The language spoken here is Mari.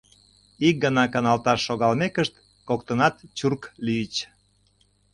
Ик гана каналташ шогалмекышт, коктынат чурк лийыч.